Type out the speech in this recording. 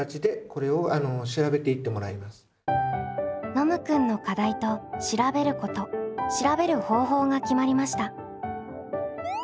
ノムくんの「課題」と「調べること」「調べる方法」が決まりました。